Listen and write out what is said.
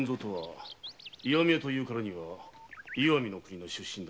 石見屋というからには石見の国の出身だな。